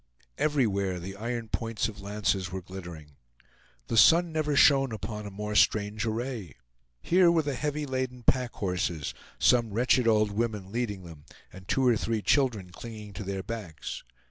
Everywhere the iron points of lances were glittering. The sun never shone upon a more strange array. Here were the heavy laden pack horses, some wretched old women leading them, and two or three children clinging to their backs.